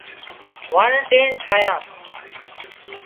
وڻ ٽڻ ٺاهيان